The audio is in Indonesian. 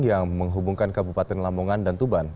yang menghubungkan kabupaten lamongan dan tuban